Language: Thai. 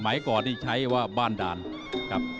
ก่อนที่ใช้ว่าบ้านด่านครับ